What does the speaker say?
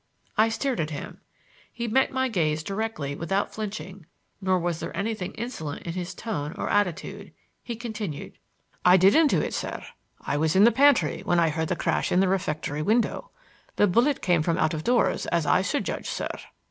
I stared at him. He met my gaze directly without flinching; nor was there anything insolent in his tone or attitude. He continued: "I didn't do it, sir. I was in the pantry when I heard the crash in the refectory window. The bullet came from out of doors, as I should judge, sir."